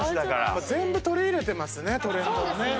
全部取り入れてますねトレンドをね。